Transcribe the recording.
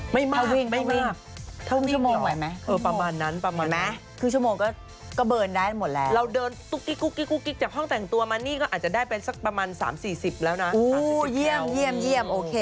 ไม่มากเท่านี้เกี่ยวประมาณนั้นประมาณนั้นเห็นไหม